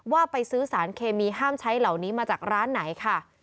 ว่าไปซื้อสารเคมีห้ามใช้เหล่านี้มาจากร้านไหนค่ะ